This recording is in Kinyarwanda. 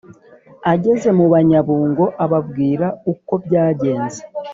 ageze mubanyabungo ababwira uko byagenze